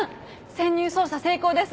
潜入捜査成功です。